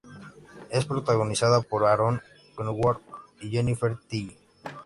Es protagonizada por Aaron Kwok y Jennifer Tilly.